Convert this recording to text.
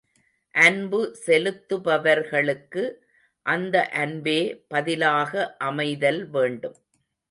அன்பு செலுத்துபவர்களுக்கு அந்த அன்பே பதிலாக அமைதல் வேண்டும்.